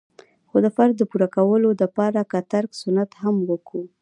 خو د فرض د پوره کولو د پاره که ترک سنت هم وکو.